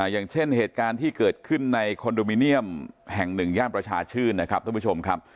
อย่างเช่นเหตุการณ์ที่เกิดขึ้นในคอนโดมิเนียมแห่งหนึ่งย่านประชาชื่นนะครับท่านผู้ชมครับ